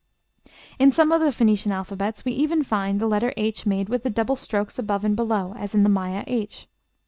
In some of the Phoenician alphabets we even find the letter h made with the double strokes above and below, as in the Maya h.